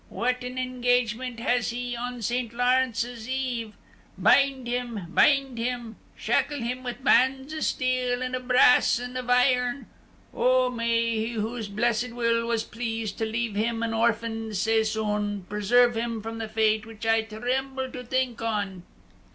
Whaten an engagement has he on St. Lawrence's Eve? Bind him! bind him! Shackle him wi' bands of steel, and of brass, and of iron! O may He whose blessed will was pleased to leave him an orphan sae soon, preserve him from the fate which I tremble to think on!"